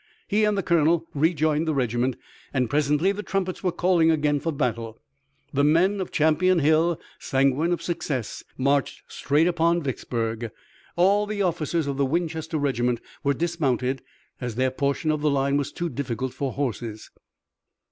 He and the colonel rejoined the regiment, and presently the trumpets were calling again for battle. The men of Champion Hill, sanguine of success, marched straight upon Vicksburg. All the officers of the Winchester regiment were dismounted, as their portion of the line was too difficult for horses.